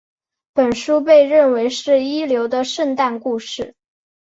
本书被认为是一流的圣诞故事。